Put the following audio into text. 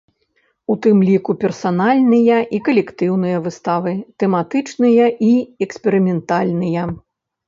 У тым ліку персанальныя і калектыўныя выставы, тэматычныя і эксперыментальныя.